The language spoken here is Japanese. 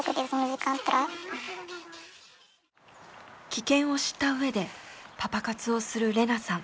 危険を知った上でパパ活をするれなさん。